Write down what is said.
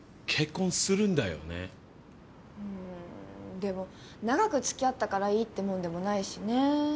でも長く付き合ったからいいってもんでもないしね。